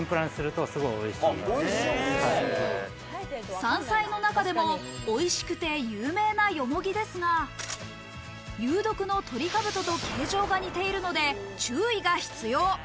山菜の中でも美味しくて有名なヨモギですが、有毒のトリカブトと形状が似ているので注意が必要。